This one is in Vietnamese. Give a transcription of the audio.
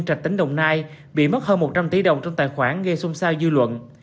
trạch tỉnh đồng nai bị mất hơn một trăm linh tỷ đồng trong tài khoản gây xung sao dư luận